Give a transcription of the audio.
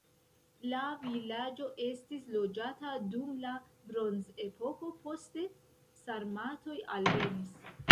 La vilaĝo estis loĝata dum la bronzepoko, poste sarmatoj alvenis.